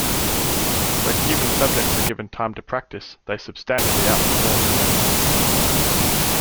When human subjects were given time to practice, they substantially outperformed the young chimps.